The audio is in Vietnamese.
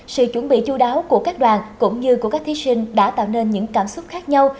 sự chuẩn bị chú đáo của các đoàn cũng như của các thí sinh đã tạo nên những cảm xúc khác nhau